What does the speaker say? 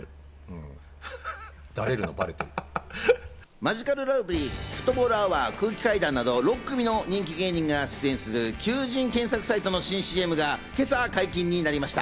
マヂカルラブリー、フットボールアワー、空気階段など６組の人気芸人が出演する求人検索サイトの新ＣＭが今朝、解禁になりました。